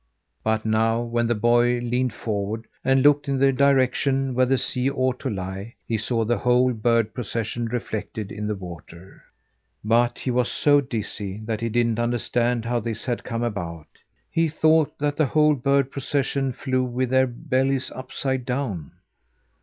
But now, when the boy leaned forward, and looked in the direction where the sea ought to lie, he saw the whole bird procession reflected in the water. But he was so dizzy that he didn't understand how this had come about: he thought that the whole bird procession flew with their bellies upside down.